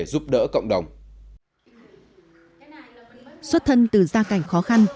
xuất thân từ gia cảnh khó khăn